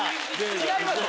違いますよ